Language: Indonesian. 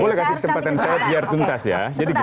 boleh kasih kesempatan saya biar tuntas ya